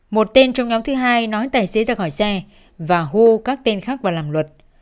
một tên trong nhóm thứ hai nói tài xế ra khỏi xe và hô các tên khác vào làm luật